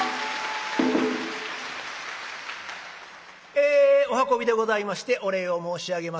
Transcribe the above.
えお運びでございましてお礼を申し上げます。